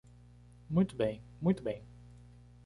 Muito bem, muito bem.